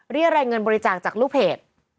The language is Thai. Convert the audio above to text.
เรียกรายเงินบริจาคจากลูกเพจ